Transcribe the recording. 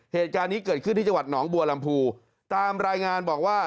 เหตุการณ์นี้เกิดขึ้นที่จังหวัดหนองบัวลำพูตามรายงานบอกว่า